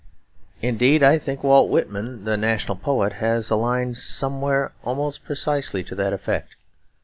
Indeed, I think Walt Whitman, the national poet, has a line somewhere almost precisely to that effect.